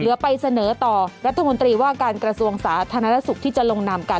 เหลือไปเสนอต่อรัฐมนตรีว่าการกระทรวงสาธารณสุขที่จะลงนามกัน